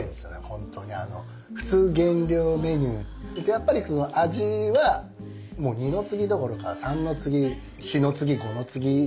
本当にあの普通減量メニューってやっぱり味はもう二の次どころか三の次四の次五の次。